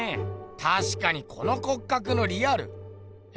たしかにこの骨格のリアルえ？